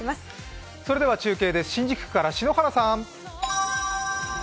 それでは中継です、新宿区から篠原さーん。